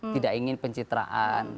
tidak ingin pencitraan